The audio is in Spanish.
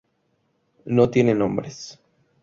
No tienen nombres.